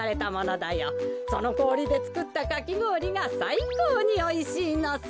そのこおりでつくったかきごおりがさいこうにおいしいのさ。